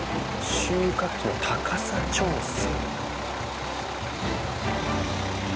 収穫機の高さ調整。